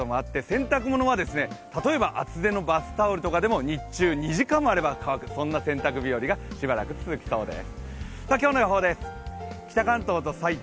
洗濯物は例えば厚手のバスタオルとかでも日中２時間もあれば乾く、そんな洗濯日和がしばらく続きそうです。